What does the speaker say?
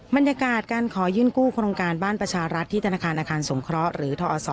บรรยากาศการขอยื่นกู้โครงการบ้านประชารัฐที่ธนาคารอาคารสงเคราะห์หรือทอศ